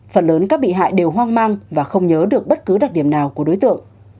phần lớn các bị hại đều hoang mang và không nhớ được bất cứ đặc điểm nào của đối tượng